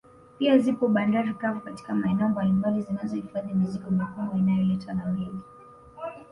Pia zipo bandari kavu katika maeneo mbalimbali zinazo hifadhi mizigo mikubwa inayoletwa na meli